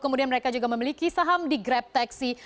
kemudian mereka juga memiliki saham di grab teksi